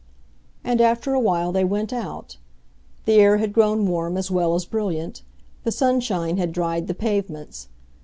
And after a while they went out. The air had grown warm as well as brilliant; the sunshine had dried the pavements.